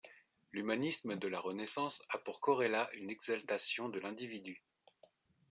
L'humanisme de la Renaissance a pour corrélat une exaltation de l'individu.